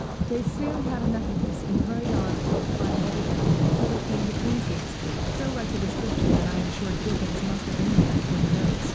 They soon had enough of this, and hurried on along High Holborn, till they came to Kingsgate Street, so like the description that I am sure Dickens must have been there and taken notes.